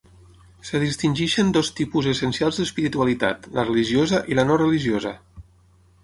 Es distingeixen dos tipus essencials d'espiritualitat: la religiosa i la no religiosa.